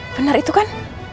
bener itu kan